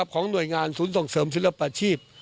ของหน่วยงานศูนย์ส่งเสริมศิลปาชีพ